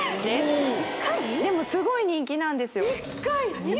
でもすごい人気なんですよ